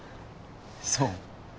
そう？